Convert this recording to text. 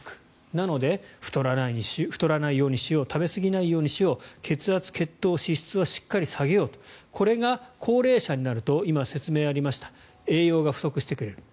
なので、太らないようにしよう食べ過ぎないようにしよう血圧、血糖、脂質はしっかり下げようこれが高齢者になると今、説明がありました栄養が不足してくる